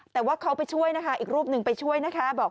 แต่ว่าเขาไปช่วยนะคะอีกรูปหนึ่งไปช่วยนะคะ